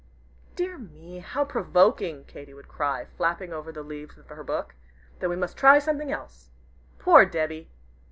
"Dear me, how provoking!" Katy would cry, flapping over the leaves of her book; "then we must try something else." Poor Debby!